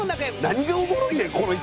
何がおもろいねんこの。